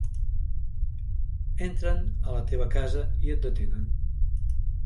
Entren a la teva casa i et detenen.